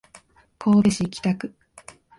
神戸市北区